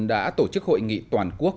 đã tổ chức hội nghị toàn quốc